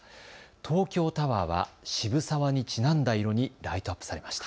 東京タワーは渋沢にちなんだ色にライトアップされました。